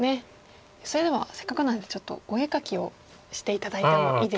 それではせっかくなんでちょっとお絵描きをして頂いてもいいですか。